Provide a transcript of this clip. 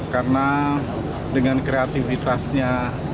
karena dengan kreativitasnya